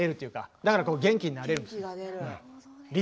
だから元気になるんですよ。